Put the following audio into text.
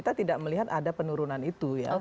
saya lihat ada penurunan itu ya